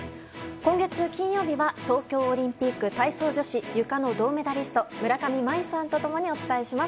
今月金曜日は東京オリンピック体操女子ゆか銅メダリスト村上茉愛さんと共にお伝えします。